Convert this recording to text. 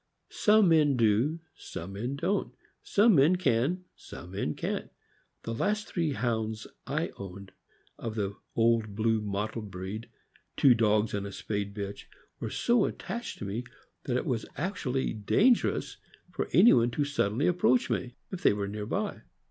Some men do, some men don't; some men can, some men can't. The last three Hounds I owned, of the old blue mottled breed — two dogs and a spayed bitch were so attached to me that it was actually dangerous for anyone to suddenly approach me if they were near by.